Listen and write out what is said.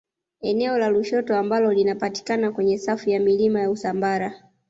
Eneo la Lushoto ambalo linapatikana kwenye safu ya milima ya Usambara